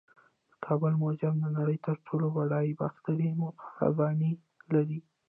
د کابل میوزیم د نړۍ تر ټولو بډایه باختري خزانې لري